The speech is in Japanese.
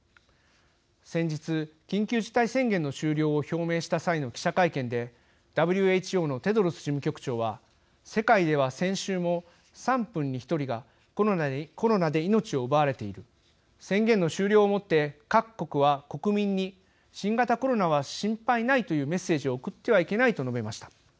先日、緊急事態宣言の終了を表明した際の記者会見でＷＨＯのテドロス事務局長は「世界では先週も３分に１人がコロナで命を奪われている。宣言の終了をもって各国は国民に新型コロナは心配ないというメッセージを送ってはいけない」と述べました。